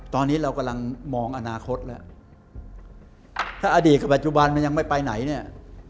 ตอนนี้เรากำลังมองอนาคตแล้วถ้าอดีตกับปัจจุบันมันยังไม่ไปไหนเนี่ย